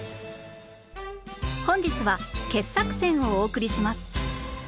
本日は傑作選をお送りします